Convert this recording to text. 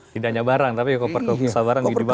tidak hanya barang tapi koper kesabaran juga dibawa ya